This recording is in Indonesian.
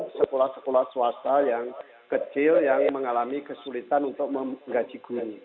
karena sekarang sudah ada beberapa suasta yang kecil yang mengalami kesulitan untuk menggaji guru